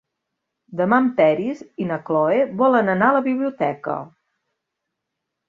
Demà en Peris i na Cloè volen anar a la biblioteca.